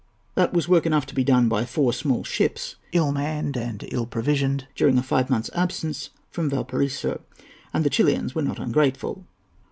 That was work enough to be done by four small ships, ill manned and ill provisioned, during a five months' absence from Valparaiso; and the Chilians were not ungrateful.